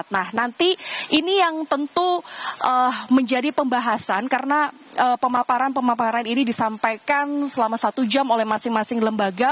nah nanti ini yang tentu menjadi pembahasan karena pemaparan pemaparan ini disampaikan selama satu jam oleh masing masing lembaga